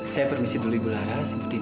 saya permisi dulu ibu lara